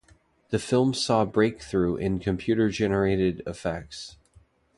The film saw breakthrough in computer generated effects.